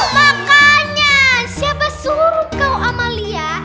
makanya siapa suruh kau amalia